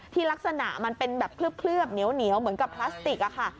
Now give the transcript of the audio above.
ลักษณะมันเป็นแบบเคลือบเหนียวเหมือนกับพลาสติกอะค่ะ